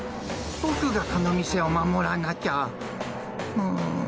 僕がこの店を守らなきゃ。